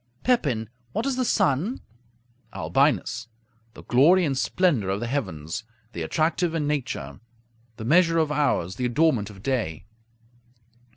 Pepin What is the sun? Albinus The glory and splendor of the heavens; the attractive in nature; the measure of hours; the adornment of day.